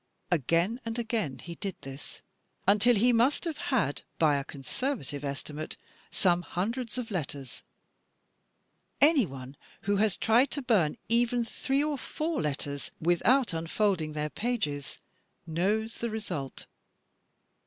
"Again and again he did this," until he must have had, by a con servative estimate, some himdreds of letters. Anyone who has tried to bum even three or four letters without unfolding their pages knows the result.